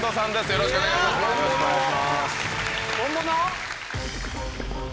本物？